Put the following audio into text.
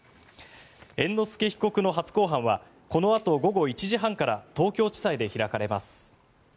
猿之助被告の初公判はこのあと午後１時半から東京地裁で開かれます。